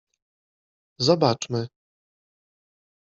Zobaczmy.